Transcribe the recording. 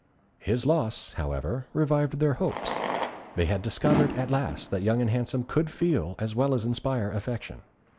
His loss, however, revived their hopes. They had discovered at last that Young and Handsome could feel as well as inspire affection.